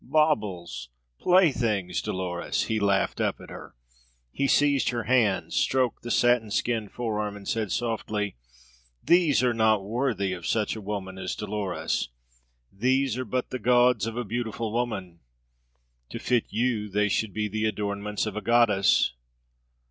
"Baubles, playthings, Dolores!" he laughed up at her. He seized her hands, stroked the satin skinned forearm, and said softly: "These are not worthy of such a woman as Dolores. These are but the gauds of a beautiful woman. To fit you, they should be the adornments of a goddess!"